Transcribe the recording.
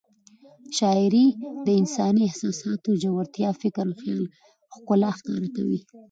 شاعري د انساني احساساتو ژورتیا، فکر او خیال ښکلا ښکاره کوي.